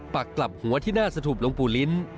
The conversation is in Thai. ปักกลับหัวที่หน้าสถุปหลวงปู่ลิ้น